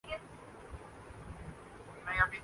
دل کا ہر تار لرزش پیہم